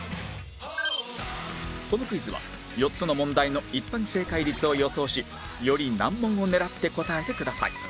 このクイズは４つの問題の一般正解率を予想しより難問を狙って答えてください